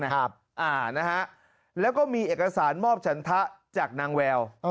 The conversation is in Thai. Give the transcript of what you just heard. นะครับแล้วก็มีเอกสารมอบฉนถะจากหนังแวว